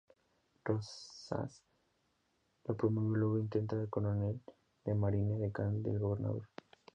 Rosas lo promovió luego a teniente coronel de Marina y edecán del gobernador.